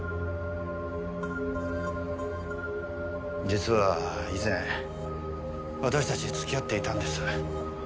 実は以前私たち付き合っていたんです。